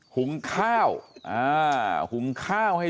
หุงข้าวทุกคน